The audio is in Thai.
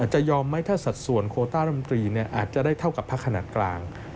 จะยอมไหมถ้าสัดส่วนโคต้ารำตรีอาจจะได้เท่ากับพักขนาดกลาง